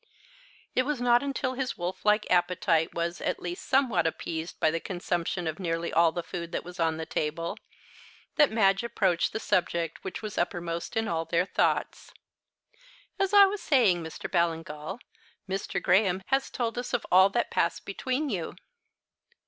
It was not until his wolf like appetite was, at least, somewhat appeased by the consumption of nearly all the food that was on the table, that Madge approached the subject which was uppermost in all their thoughts. "As I was saying, Mr. Ballingall, Mr. Graham has told us of all that passed between you."